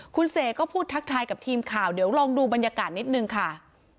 คุณเสกก็พูดทักทายกับทีมข่าวเดี๋ยวลองดูบรรยากาศนิดนึงค่ะ